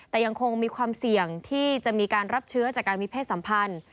แต่ยังคงมีความเสี่ยงที่จะมีการรับเชื้อจากการมีเพศสัมพันธ์